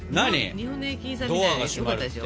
日本の駅員さんみたいでよかったですよ。